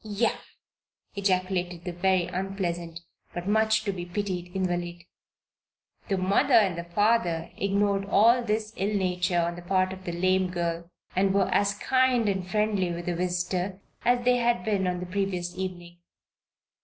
"Yah!" ejaculated the very unpleasant, but much to be pitied invalid. The mother and father ignored all this ill nature on the part of the lame girl and were as kind and friendly with their visitor as they had been on the previous evening.